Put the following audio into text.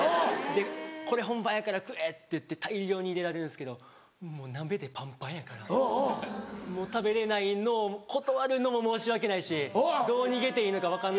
で「これ本番やから食え！」って大量に入れられるんですけどもう鍋でパンパンやからもう食べれないのを断るのも申し訳ないしどう逃げていいのか分かんない。